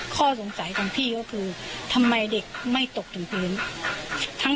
ข้อสงสัยของพี่ก็คือทำไมเด็กไม่ตกถึงพื้น